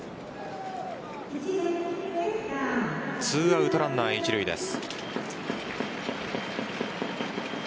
２アウトランナー一塁です。